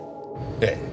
ええ。